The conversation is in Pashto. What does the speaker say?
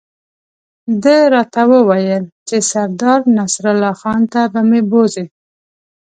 ده راته وویل چې سردار نصرالله خان ته به مې بوزي.